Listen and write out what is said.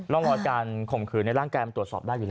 ร่องรอยการข่มขืนในร่างกายมันตรวจสอบได้อยู่แล้ว